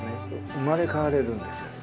生まれ変われるんですよね。